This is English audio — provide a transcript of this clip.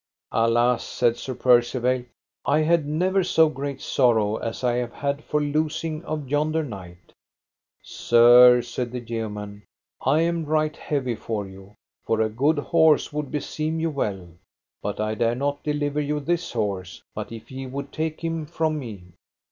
Alas, said Sir Percivale, I had never so great sorrow as I have had for losing of yonder knight. Sir, said the yeoman, I am right heavy for you, for a good horse would beseem you well; but I dare not deliver you this horse but if ye would take him from me.